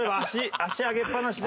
足上げっぱなしで。